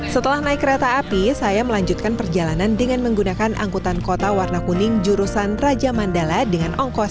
setelah naik kereta api saya melanjutkan perjalanan dengan menggunakan angkutan kota warna kuning jurusan raja mandala dengan ongkos